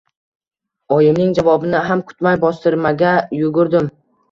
Oyimning javobini ham kutmay bostirmaga yugurdim.